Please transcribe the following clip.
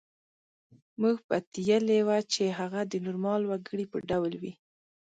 موږ پتېیلې وه چې هغه د نورمال وګړي په ډول وي